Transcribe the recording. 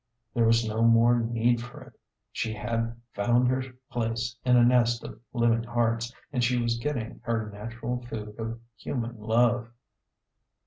There was no more need for it. She had found her place in a nest of living hearts, and she was get ting her natural food of human love.